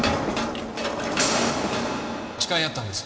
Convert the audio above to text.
誓い合ったんです。